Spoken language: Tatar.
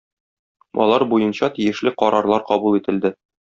Алар буенча тиешле карарлар кабул ителде.